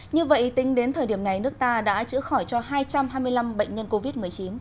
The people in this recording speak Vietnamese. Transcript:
như vậy tính đến thời điểm này nước ta đã chữa khỏi cho hai trăm hai mươi năm bệnh nhân covid một mươi chín